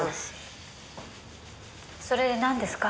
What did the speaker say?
それでなんですか？